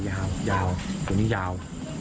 ยาวตัวนี้ยาว